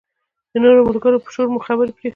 د نورو ملګرو په شور به مو خبرې پرېښودې.